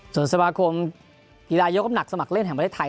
ส่วนสมาคมกีฬายกน้ำหนักสมัครเล่นแห่งประเทศไทย